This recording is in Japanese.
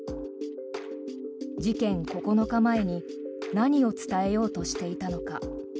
事件９日前に何を伝えようとしていたのか。